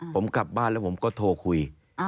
ผมกลับบ้านแล้วผมก็โทรคุย